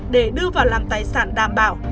để đưa vào làm tài sản đảm bảo